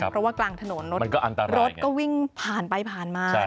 เพราะว่ากลางถนนรถก็วิ่งผ่านไปผ่านมา